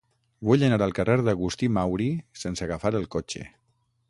Vull anar al carrer d'Agustí Mauri sense agafar el cotxe.